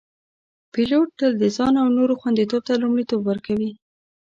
پیلوټ تل د ځان او نورو خوندیتوب ته لومړیتوب ورکوي.